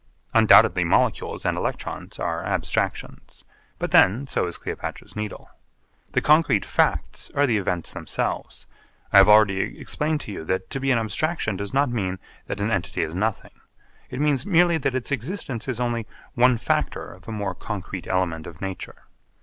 Undoubtedly molecules and electrons are abstractions. But then so is Cleopatra's Needle. The concrete facts are the events themselves I have already explained to you that to be an abstraction does not mean that an entity is nothing. It merely means that its existence is only one factor of a more concrete element of nature.